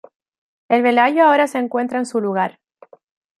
El Bellagio ahora se encuentra en su lugar.